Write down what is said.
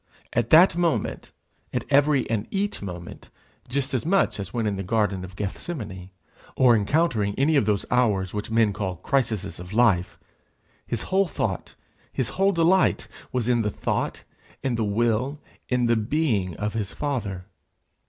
At that moment, at every and each moment, just as much as when in the garden of Gethsemane, or encountering any of those hours which men call crises of life, his whole thought, his whole delight, was in the thought, in the will, in the being of his Father.